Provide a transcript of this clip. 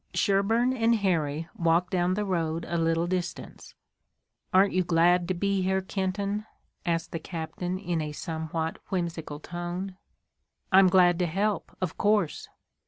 Sherburne and Harry walked down the road a little distance. "Aren't you glad to be here, Kenton?" asked the captain in a somewhat whimsical tone. "I'm glad to help, of course."